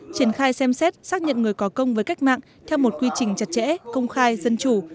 triển khai xem xét xác nhận người có công với cách mạng theo một quy trình chặt chẽ công khai dân chủ